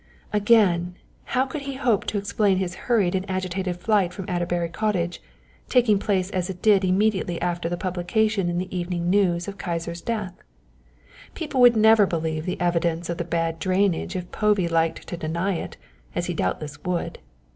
Again, how could he hope to explain his hurried and agitated flight from Adderbury Cottage, taking place as it did immediately after the publication in the Evening News of Kyser's death? People would never believe the evidence of the bad drainage if Povey liked to deny it as he doubtless would.